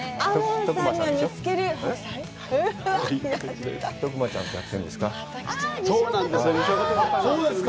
徳馬ちゃんとやっているんですか？